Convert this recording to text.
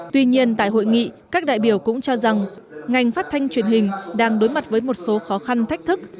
tuy nhiên tại hội nghị các đại biểu cũng cho rằng ngành phát thanh truyền hình đang đối mặt với một số khó khăn thách thức